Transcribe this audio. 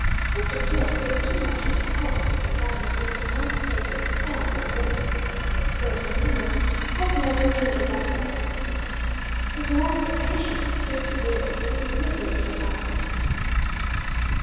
Mr. Smith, who was too much in the habit of inviting people home to take a "family dinner" with him on the spur of the moment, has never committed that error since. His mortification was too severe to be easily forgotten.